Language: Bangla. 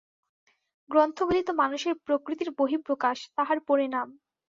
গ্রন্থগুলি তো মানুষের প্রকৃতির বহিঃপ্রকাশ, তাহার পরিণাম।